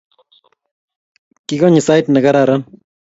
Kiganyi sait negararan